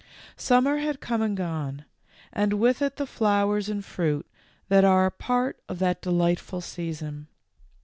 Summer had come and gone, and with it the flowers and fruit that are a part of that delightful season.